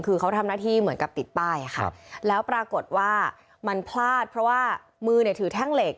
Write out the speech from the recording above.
คือเขาทำหน้าที่เหมือนกับติดป้ายแล้วปรากฏว่ามันพลาดเพราะว่ามือเนี่ยถือแท่งเหล็ก